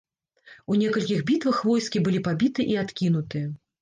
У некалькіх бітвах войскі былі пабіты і адкінуты.